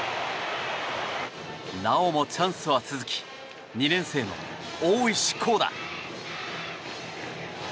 なおもチャンスは続き２年生の大石広那。